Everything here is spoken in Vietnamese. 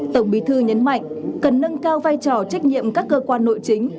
tổng bí thư nhấn mạnh cần nâng cao vai trò trách nhiệm các cơ quan nội chính